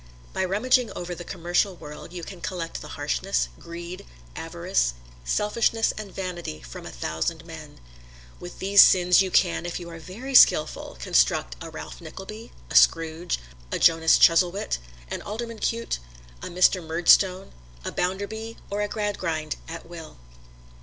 By rummaging over the commercial world you can collect the harshness, greed, avarice, selfishness and vanity from a thousand men. With these sins you can, if you are very skilful, construct a Ralph Nickleby, a Scrooge, a Jonas Chuzzlewit, an Alderman Cute, a Mr. Murdstone, a Bounderby or a Gradgrind at will.